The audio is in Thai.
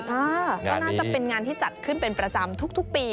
อ่าก็น่าจะเป็นงานที่จัดขึ้นเป็นประจำทุกปี